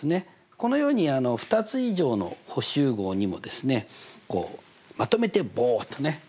このように２つ以上の補集合にもですねまとめてボーとね！